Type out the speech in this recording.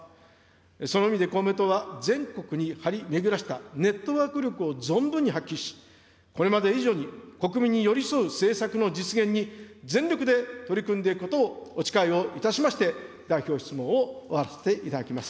その意味で公明党は、全国に張り巡らせたネットワーク力を存分に発揮し、これまで以上に国民に寄り添う政策の実現に全力で取り組んでいくことをお誓いをいたしまして、代表質問を終わらせていただきます。